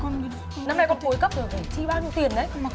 mà bạn em có đôi giày nữa